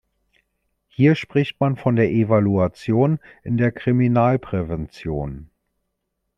Hier spricht man von der Evaluation in der Kriminalprävention.